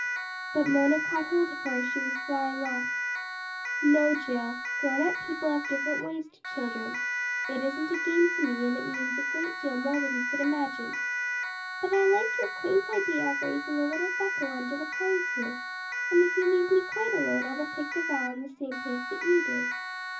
But Mona caught hold of her as she was flying off. "No, Jill. Grown up people have different ways to children. It isn't a game to me, and it means a great deal more than you could imagine. But I like your quaint idea of raising a little Bethel under the pines here, and if you leave me quite alone, I will take the vow in the same place that you did.